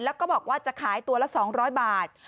แล้วก็บอกว่าจะขายตัวละ๒๐๐บาท